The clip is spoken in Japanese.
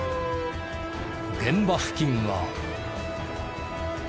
現場付近は。